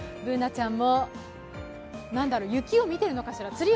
Ｂｏｏｎａちゃんも雪を見ているのかしら。